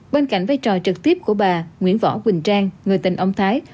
bên cạnh vai trò trực tiếp của bà nguyễn võ quỳnh trang người tình ông thái